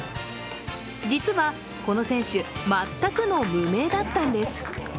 実はこの選手、全くの無名だったんです。